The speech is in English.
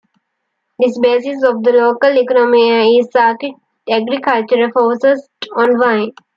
The basis of the local economy is agriculture, focused on vine.